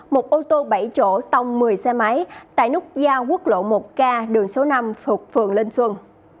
một ô tô bảy chỗ tông một mươi xe máy tại nút giao quốc lộ một k đường số năm thuộc phường linh xuân